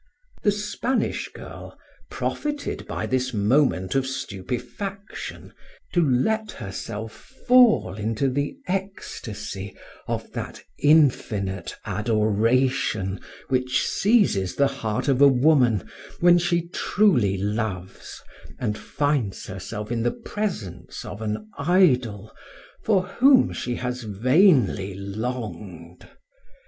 The Spanish girl profited by this moment of stupefaction to let herself fall into the ecstasy of that infinite adoration which seizes the heart of a woman, when she truly loves and finds herself in the presence of an idol for whom she has vainly longed.